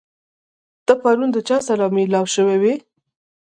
ته پرون د چا سره مېلاو شوی وې؟